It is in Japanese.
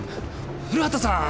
古畑さん！